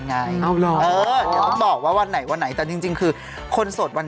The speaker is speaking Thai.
จานกับพุทธก็เป็นคู่ที่เผ็ดร้อน